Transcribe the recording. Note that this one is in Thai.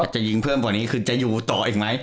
จะยิงเพิ่มกว่านี้คือจะอยู่ต่ออีกไหม